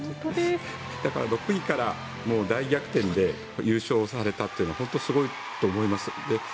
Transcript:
だから、６位から大逆転で優勝されたというのは本当にすごいと思います。